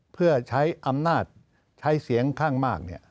เพื่อใช้อำนาจใช้เสียงข้างมาก